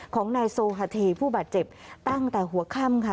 ของนายโซฮาเทผู้บาดเจ็บตั้งแต่หัวค่ำค่ะ